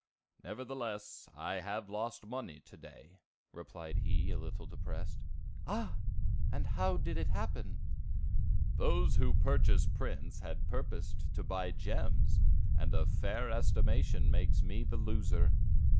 "Nevertheless, I have lost money to day," replied he, a little depressed. "Ah! and how did it happen?" "Those who purchased prints had purposed to buy gems, and a fair estimation makes me the loser.